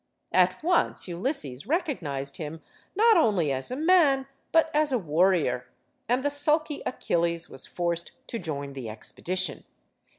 At once, Ulysses recognized him not only as a man, but as a warrior; and the sulky Achilles was forced to join the expedition.